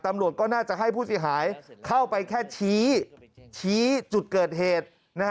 ตำรวจก็น่าจะให้ผู้เสียหายเข้าไปแค่ชี้จุดเกิดเหตุ